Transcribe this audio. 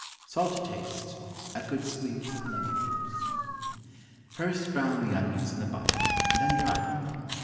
Salt to taste. A good squeeze of lemon juice. First brown the onions in the butter, and then dry them.